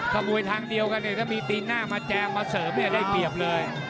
ขโมยทางเดียวกันเนี่ยถ้ามีตีนหน้ามาแจงมาเสริมเนี่ยได้เปรียบเลย